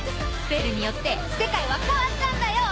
ベルによって世界は変わったんだよ！